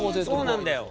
そうなんだよ。